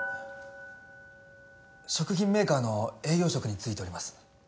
食品メーカーの営業職に就いております。